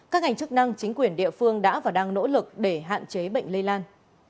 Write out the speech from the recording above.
các ngành chức năng chính quyền địa phương đã và đang nỗ lực để hạn chế bệnh lây lan